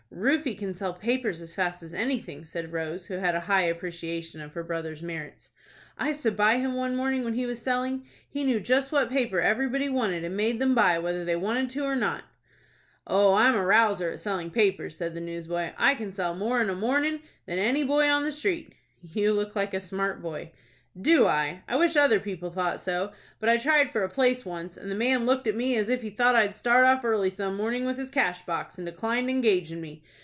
"Rufie can sell papers as fast as anything," said Rose, who had a high appreciation of her brother's merits. "I stood by him one morning when he was selling. He knew just what paper everybody wanted, and made them buy, whether they wanted to or not." "Oh, I'm a rouser at selling papers," said the newsboy. "I can sell more in a mornin' than any boy on the street." "You look like a smart boy." "Do I? I wish other people thought so; but I tried for a place once, and the man looked at me as if he thought I'd start off early some mornin' with his cash box, and declined engagin' me.